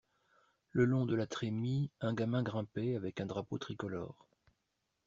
Le long de la trémie un gamin grimpait avec un drapeau tricolore.